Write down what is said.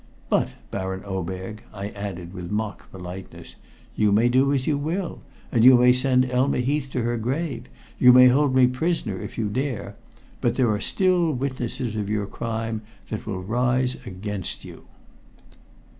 But Baron Oberg," I added with mock politeness, "you may do as you will, you may send Elma Heath to her grave, you may hold me prisoner if you dare, but there are still witnesses of your crime that will rise against you."